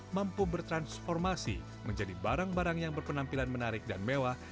mampu bertransformasi menjadi barang barang yang berpenampilan menarik dan mewah